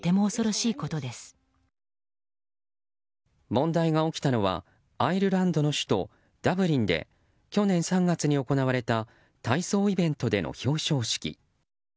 問題が起きたのはアイルランドの首都ダブリンで去年３月に行われた体操イベントでの表彰式。